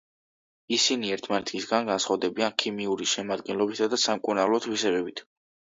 ისინი ერთმანეთისგან განსხვავდებიან ქიმიური შემადგენლობითა და სამკურნალო თვისებებით.